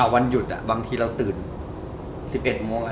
วันหยุดบางทีเราตื่น๑๑โมง